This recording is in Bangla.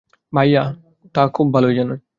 ভাইয়া তা খুব ভালোই জানে।